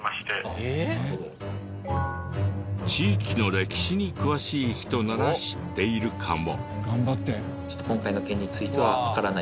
地域の歴史に詳しい人なら知っているかも。